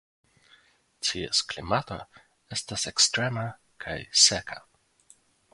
Ties klimato estas ekstrema kaj seka.